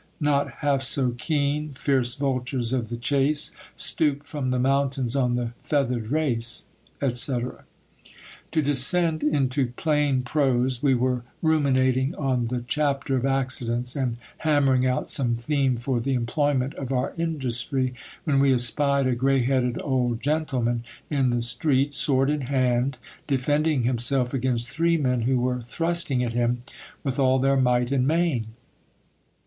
Not half so keen, fierce vultures of the chase Stoop from the mountains on the feathered race, &c. To descend into plain prose, we were ruminating on the chapter of accidents, and hammering out some theme for the employment of our industry, when we espied a grey headed old gentleman in the street, sword in hand, defending 172 GIL BLAS. himself against three men who were thrusting at him with all their might and main.